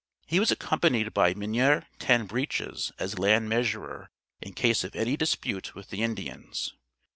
He was accompanied by Mynheer Ten Breeches, as land measurer, in case of any dispute with the Indians.